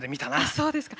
そうですか。